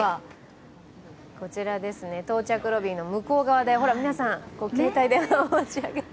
到着ロビーの向こう側で皆さん、携帯を上に上げて。